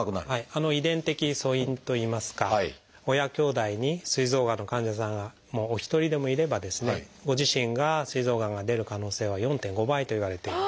遺伝的素因といいますか親きょうだいにすい臓がんの患者さんがお一人でもいればご自身がすい臓がんが出る可能性は４．５倍といわれている。